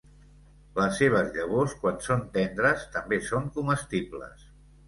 Les seves llavors quan són tendres també són comestibles.